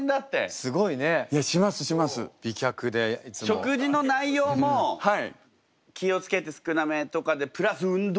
食事の内容も気を付けて少なめとかでプラス運動